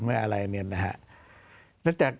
อะไรเนี่ยนะฮะ